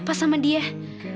ya uarang lagi pak